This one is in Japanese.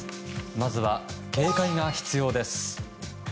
まずは、警戒が必要です。